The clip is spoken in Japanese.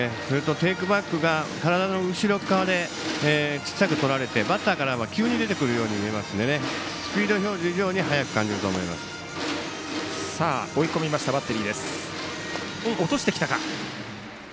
テイクバックが体の後ろ側で小さくとられて、バッターからは急に出てくるように見えるのでスピード表示以上に速く感じると思います。